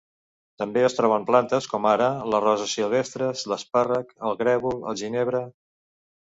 També es troben plantes com ara: les roses silvestres, l'espàrrec, el grèvol, el ginebre.